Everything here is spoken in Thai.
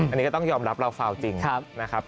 อันนี้ก็ต้องยอมรับเราฟาวจริงนะครับ